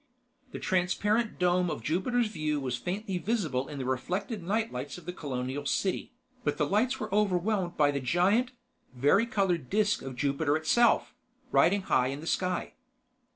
The transparent dome of Jupiter's View was faintly visible in the reflected night lights of the colonial city, but the lights were overwhelmed by the giant, vari colored disc of Jupiter itself, riding high in the sky.